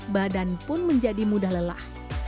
badan pun menjadi mudah lelah